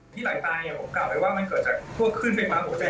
ไหลตายผมกล่าวไปว่ามันเกิดจากพวกขึ้นไฟฟ้าหัวใจ